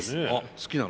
好きなの？